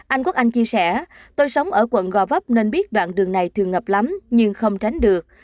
anh quốc anh chia sẻ tôi sống ở quận gò vấp nên biết đoạn đường này thường ngập lắm nhưng không tránh được